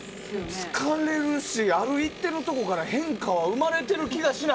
疲れるしある一定のところから変化が生まれてる気がしないし。